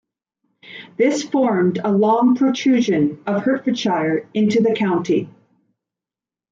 This formed a long protrusion of Hertfordshire into the county.